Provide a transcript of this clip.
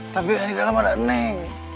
tapi yang di dalam ada neng